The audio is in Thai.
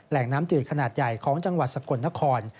แหล่งน้ำจืดขนาดใหญ่ของจังหวัดสกลนคร